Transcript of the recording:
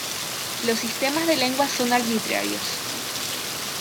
Los sistemas de lengua son arbitrarios.